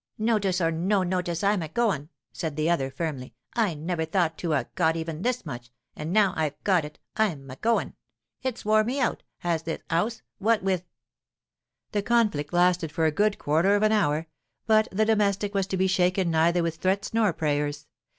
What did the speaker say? "Notice or no notice, I'm a goin'," said the other, firmly. "I never thought to a' got even this much, an' now I've got it, I'm a goin'. It's wore me out, has this 'ouse; what with " The conflict lasted for a good quarter of an hour, but the domestic was to be shaken neither with threats nor prayers.